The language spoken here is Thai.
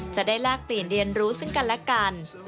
แลกเปลี่ยนเรียนรู้ซึ่งกันและกัน